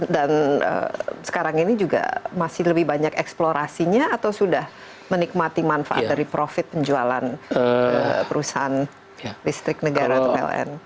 dan sekarang ini juga masih lebih banyak eksplorasinya atau sudah menikmati manfaat dari profit penjualan perusahaan listrik negara atau pln